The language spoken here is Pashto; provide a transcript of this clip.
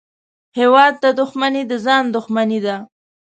هېواد ته دښمني د ځان دښمني ده